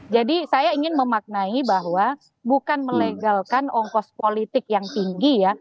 jadi saya ingin memaknai bahwa bukan melegalkan ongkos politik yang tinggi ya